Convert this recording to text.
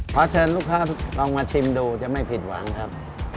เชิญลูกค้าลองมาชิมดูจะไม่ผิดหวังครับ